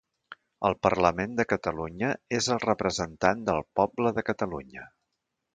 El Parlament de Catalunya és el representant del poble de Catalunya.